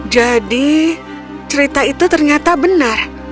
jadi cerita itu ternyata benar